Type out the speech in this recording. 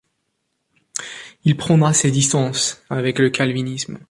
Il prendra ses distances avec le calvinisme.